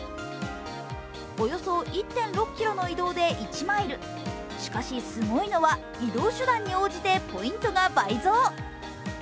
およそ１．６ｋｍの移動で１マイルしかしすごいのは、移動手段に応じてポイントが倍増。